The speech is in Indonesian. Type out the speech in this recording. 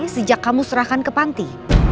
sejak kamu serahkan ke panti